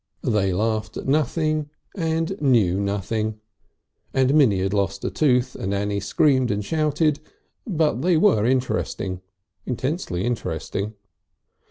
They laughed at nothing and knew nothing, and Minnie had lost a tooth and Annie screamed and shouted, but they were interesting, intensely interesting.